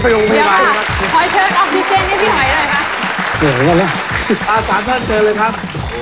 พอจะเชิญออกซิเจนที่พี่ไฟด้วยนะครับ